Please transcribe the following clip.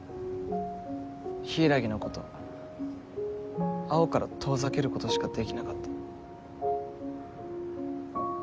柊のこと青から遠ざけることしかできなかった。